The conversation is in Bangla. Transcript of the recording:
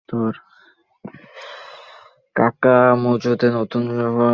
কাকামুচোতে নতুন সামুরাই পাঠাতে হবে?